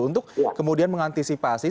untuk kemudian mengantisipasi